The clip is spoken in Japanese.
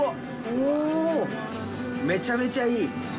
おぉ、めちゃめちゃいい。